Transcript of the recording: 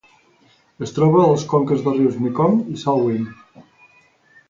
Es troba a les conques dels rius Mekong i Salween.